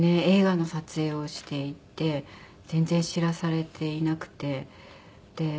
映画の撮影をしていて全然知らされていなくて。